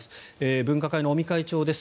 分科会の尾身会長です。